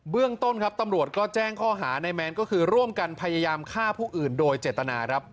เรื่องต้นครับตำรวจก็แจ้งข้อหาในแมนก็คือร่วมกันพยายามฆ่าผู้อื่นโดยเจตนาครับ